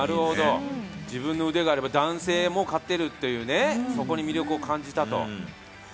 自分の腕があれば、男性にも勝てるところに魅力を感じたと。